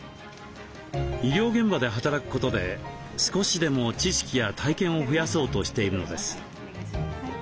医療現場で働くことで少しでも知識や体験を増やそうとしているのです。